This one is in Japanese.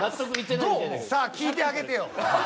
さあ聞いてあげてよ。